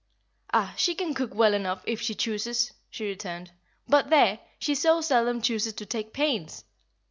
"Ah, she can cook well enough if she chooses," she returned, "but there! she so seldom chooses to take pains.